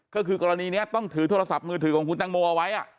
ก็คือกรณีนี้ต้องถือโทรศัพท์มือถือของคุณตังโมเอาไว้